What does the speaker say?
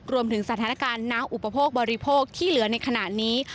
รวมถึงสถานการณ์น้ำอุปโภคบริโภคที่เหลือในขณะนี้